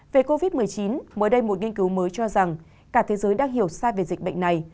về covid một mươi chín mới đây một nghiên cứu mới cho rằng cả thế giới đang hiểu sai về dịch bệnh này